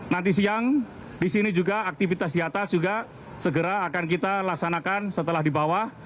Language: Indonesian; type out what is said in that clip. nanti siang di sini juga aktivitas di atas juga segera akan kita laksanakan setelah di bawah